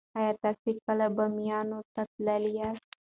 ایا تاسې کله بامیانو ته تللي یاست؟